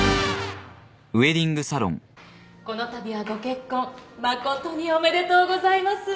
このたびはご結婚誠におめでとうございます。